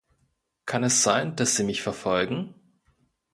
Kann es sein, dass Sie mich verfolgen?